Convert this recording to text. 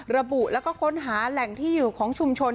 ระบุแล้วก็ค้นหาแหล่งที่อยู่ของชุมชน